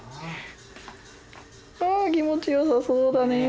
あ気持ちよさそうだね。